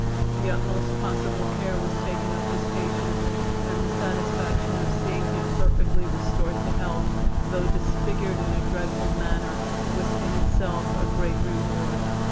The utmost possible care was taken of this patient, and the satisfaction of seeing him perfectly restored to health, though disfigured in a dreadful manner, was in itself a great reward.